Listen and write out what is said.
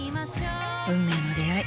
運命の出会い。